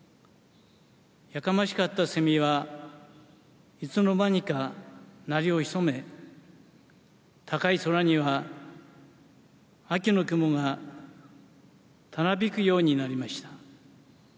やかましかったせみは、いつの間にか鳴りを潜め、高い空には秋の雲がたなびくようになりました。